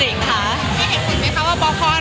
ไม่เห็นคุณมั้ยค้ะว่าบล็อกพ่ออะไร